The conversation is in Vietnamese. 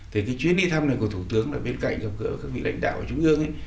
thì cái chuyến đi thăm này của thủ tướng là bên cạnh gặp gỡ các vị lãnh đạo ở trung ương ấy